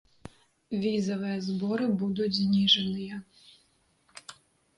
Візавыя зборы будуць зніжаныя.